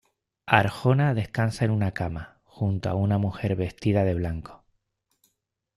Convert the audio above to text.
Arjona descansa en una cama, junto a una mujer vestida de blanco.